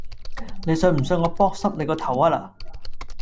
你信唔信我扑濕你個頭呀嗱